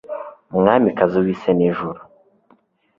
mwamikazi w'isi n'ijuru